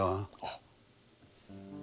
あっ。